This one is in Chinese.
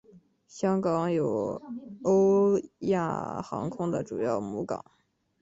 香港有欧亚航空的主要母港。